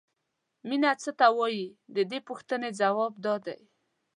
مینه څه ته وایي د دې پوښتنې ځواب دا دی.